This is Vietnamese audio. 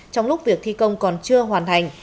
trong lúc việc thi công còn chưa hoàn thành